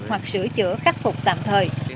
hoặc sửa chữa khắc phục tạm thời